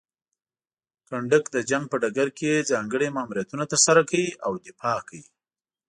کنډک د جنګ په ډګر کې ځانګړي ماموریتونه ترسره کوي او دفاع کوي.